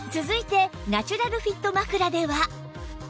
続いてナチュラルフィット枕では